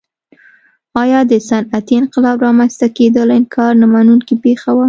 ایا د صنعتي انقلاب رامنځته کېدل انکار نه منونکې پېښه وه.